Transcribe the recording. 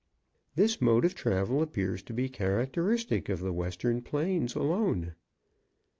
This mode of travel appears to be characteristic of the Western plains alone.